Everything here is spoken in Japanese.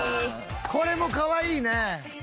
「これもかわいいね」